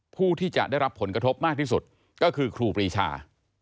ผู้ที่จะได้รับผลกระทบมากที่สุดก็คือครูปรีชา